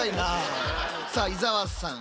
さあ伊沢さん。